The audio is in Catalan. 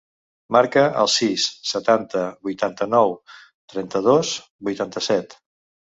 Marca el sis, setanta, vuitanta-nou, trenta-dos, vuitanta-set.